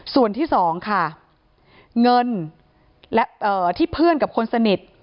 ส่วนที่สองค่ะเงินและที่เพื่อนกับคนสนิท